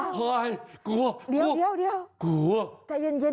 เฮ้ยเกลียวเกลียวเกลียว